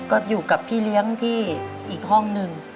ก็อยู่กับพี่เลี้ยงที่อีกห้องหนึ่ง